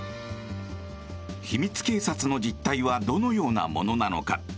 秘密警察の実態はどのようなものなのか？